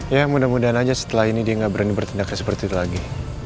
ya mudah mudahan aja dia gak berani bertindaknya seperti itu lagi